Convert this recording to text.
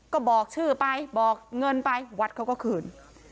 ก็บอกชื่อไปบอกเงินไปวัดเขาก็คืน